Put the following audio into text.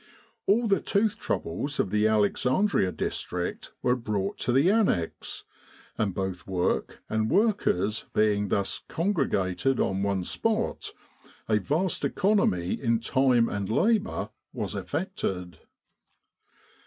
All the tooth troubles of the Alex andria district were brought to the Annexe, and both work and workers being thus congregated on one spot, a vast economy in time and labour was effected.